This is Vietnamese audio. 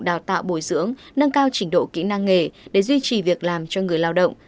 đào tạo bồi dưỡng nâng cao trình độ kỹ năng nghề để duy trì việc làm cho người lao động